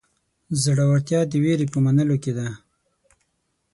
زړهورتیا د وېرې په منلو کې ده.